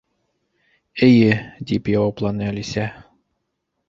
—Эйе, —тип яуапланы Әлисә.